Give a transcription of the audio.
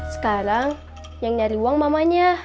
sekarang yang nyari uang mamanya